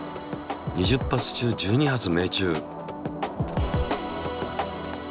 ２０発中１２発命中。